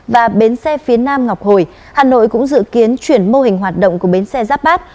và bến xe phía nam ngọc hồi hà nội cũng dự kiến chuyển mô hình hoạt động của bến xe giáp bát